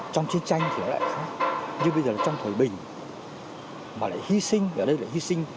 trong chiến tranh thì nó lại khác nhưng bây giờ trong thời bình mà lại hy sinh ở đây lại hy sinh